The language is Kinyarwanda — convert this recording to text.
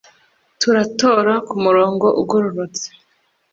Turatora ku murongo ugororotse